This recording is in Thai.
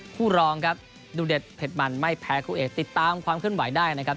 คู่รองครับดูเด็ดเผ็ดมันไม่แพ้คู่เอกติดตามความเคลื่อนไหวได้นะครับ